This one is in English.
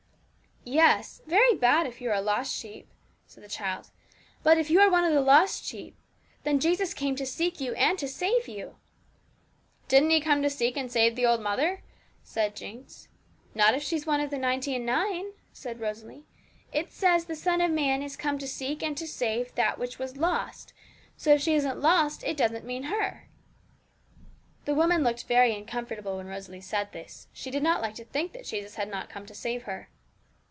'Yes, very bad; if you are always a lost sheep,' said the child; 'but if you are one of the lost sheep, then Jesus came to seek you and to save you.' 'Didn't He come to seek and save the old mother?' asked Jinx. 'Not if she's one of the ninety and nine,' said Rosalie. 'It says, "The Son of Man is come to seek and to save that which was lost;" so if she isn't lost, it doesn't mean her.' The woman looked very uncomfortable when Rosalie said this; she did not like to think that Jesus had not come to save her.